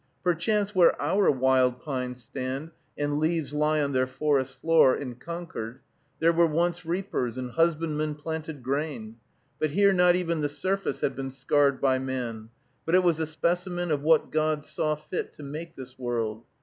Perchance where our wild pines stand, and leaves lie on their forest floor, in Concord, there were once reapers, and husbandmen planted grain; but here not even the surface had been scarred by man, but it was a specimen of what God saw fit to make this world.